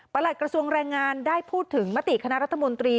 หลักกระทรวงแรงงานได้พูดถึงมติคณะรัฐมนตรี